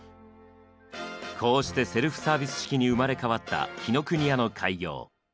こうしてセルフサービス式に生まれ変わった紀ノ国屋の開業。